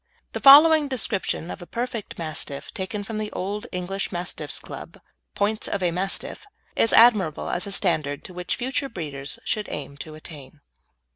The following description of a perfect Mastiff, taken from the Old English Mastiff Club's Points of a Mastiff, is admirable as a standard to which future breeders should aim to attain.